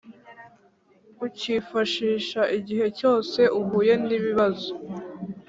ucyifashisha igihe cyose uhuye n ibibazo